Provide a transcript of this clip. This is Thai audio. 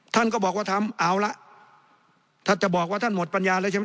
ท่านก็บอกว่าทำเอาละถ้าจะบอกว่าท่านหมดปัญญาแล้วใช่ไหม